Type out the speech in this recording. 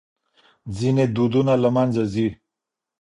ځينې دودونه له منځه ځي.